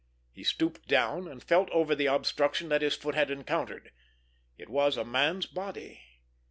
He stooped down, and felt over the obstruction that his foot had encountered. It was a man's body.